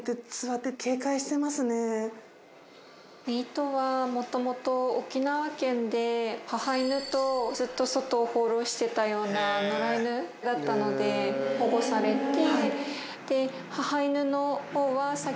糸はもともと沖縄県で母犬とずっと外を放浪してたような野良犬だったので保護されて。